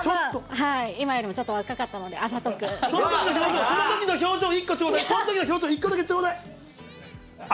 今よりもちょっと若かったのそのときの表情、そのときの表情、１個ちょうだい、そのときの表情、１個だけちょうだい。